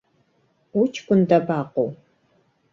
Уҷкәын дабаҟоу?